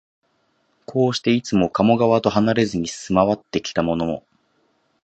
こうして、いつも加茂川とはなれずに住まってきたのも、